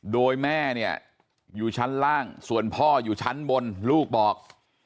โดยแม่เนี่ยอยู่ชั้นล่างส่วนพ่ออยู่ชั้นบนลูกบอก